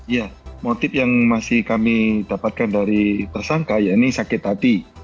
ya motif yang masih kami dapatkan dari tersangka ya ini sakit hati